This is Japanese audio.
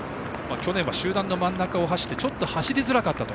去年は集団の真ん中を走ってちょっと走りづらかったと。